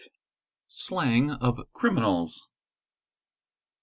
SLANG OF CRIMINALS.